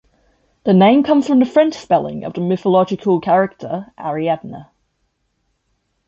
The name comes from the French spelling of the mythological character Ariadne.